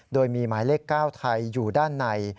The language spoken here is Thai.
โดยมีหมายเลข๙ไทยอยู่ด้านใน